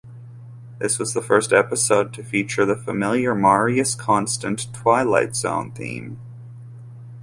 This was the first episode to feature the familiar Marius Constant "Twilight Zone" theme.